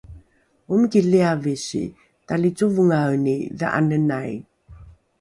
omiki liavisi talicovongaeni dha’anenai